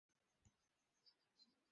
ওর পেছনে যাও।